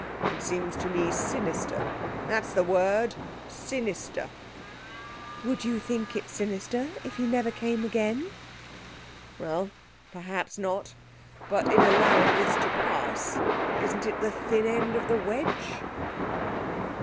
It seems to me sinister that's the word sinister.' 'Would you think it sinister if he never came, again?' 'Well, perhaps not, but in allowing this to pass isn't it the thin end of the wedge?'